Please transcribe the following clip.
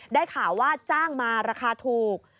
ได้ข่าวว่าจ้างมาราคาถูก